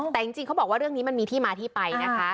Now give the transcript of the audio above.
แต่จริงเขาบอกว่าเรื่องนี้มันมีที่มาที่ไปนะคะ